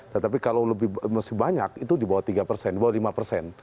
tetapi kalau masih banyak itu di bawah tiga persen di bawah lima persen